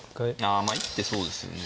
あまあ一手そうですよね。